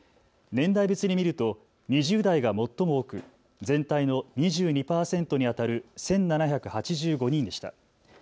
年代別に見ると２０代が最も多く全体の２２％にあたる１７８５人でした。